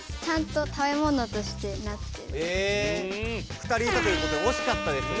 ２人いたということでおしかったですが。